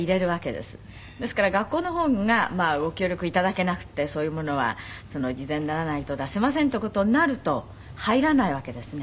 ですから学校の方がご協力頂けなくてそういうものは事前にならないと出せませんっていう事になると入らないわけですね。